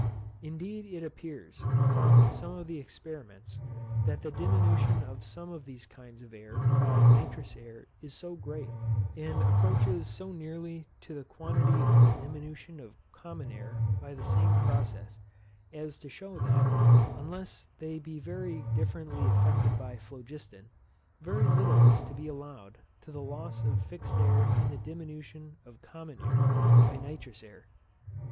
Indeed, it appears, from some of the experiments, that the diminution of some of these kinds of air by nitrous air is so great, and approaches so nearly to the quantity of the diminution of common air by the same process, as to shew that, unless they be very differently affected by phlogiston, very little is to be allowed to the loss of fixed air in the diminution of common air by nitrous air.